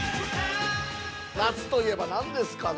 ◆夏といえば何ですかな。